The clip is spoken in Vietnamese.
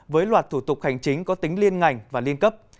với loạt thủ tục hành chính có tính liên ngành và liên cấp